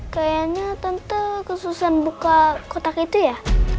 kayaknya tante kesusahan buka kotak itu ya